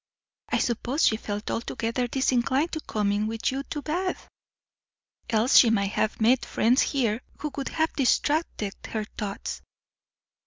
"I suppose she felt altogether disinclined for coming with you to Bath, else she might have met friends here who would have distracted her thoughts."